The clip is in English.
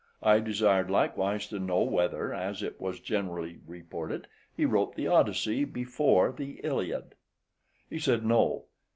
I desired likewise to know whether, as it was generally reported, he wrote the "Odyssey" before the "Iliad." He said, no.